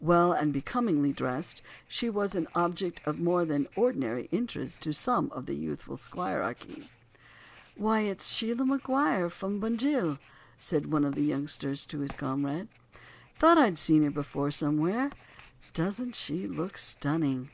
Well and becomingly dressed, she was an object of more than ordinary interest to some of the youthful squirearchy. "Why, it's Sheila Maguire, from Bunjil!" said one youngster to his comrade. "Thought I'd seen her before, somewhere. Doesn't she look stunning?"